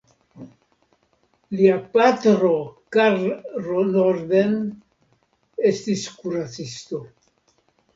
Lia patro Carl Norden estis kuracisto.